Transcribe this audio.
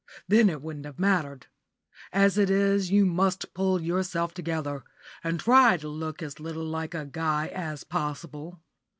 Then it wouldn't have mattered. As it is, you must pull yourself together, and try to look as little like a guy as possible.